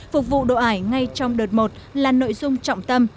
phục vụ đổ ải ngay trong đợt một là nội dung trọng tâm